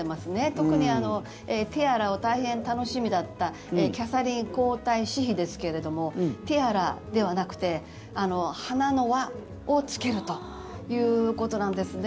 特にティアラを大変楽しみだったキャサリン皇太子妃ですけれどもティアラではなくて花の輪をつけるということなんですね。